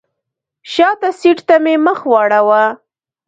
شاته سیټ ته مې مخ واړوه.